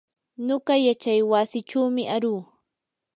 nuqa yachaywasichumi aruu.